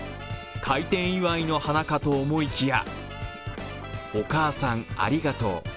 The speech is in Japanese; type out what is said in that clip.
開店祝いの花かと思いきや「おかあさんありがとう」